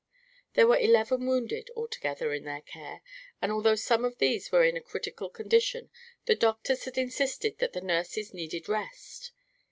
There were eleven wounded, altogether, in their care, and although some of these were in a critical condition the doctors had insisted that the nurses needed rest.